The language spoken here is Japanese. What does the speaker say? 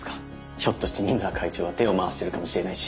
ひょっとして三村会長が手を回してるかもしれないし。